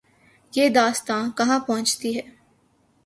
یہ داستان کہاں پہنچتی ہے۔